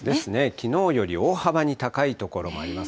きのうより大幅に高い所もあります。